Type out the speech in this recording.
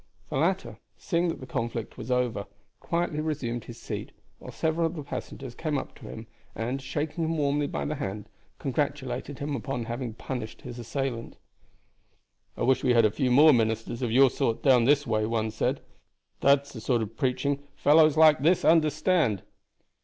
The latter, seeing that the conflict was over, quietly resumed his seat; while several of the passengers came up to him, and, shaking him warmly by the hand, congratulated him upon having punished his assailant. "I wish we had a few more ministers of your sort down this way," one said. "That's the sort of preaching fellows like this understand.